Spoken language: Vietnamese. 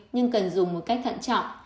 nhưng cần dùng một cách thận trọng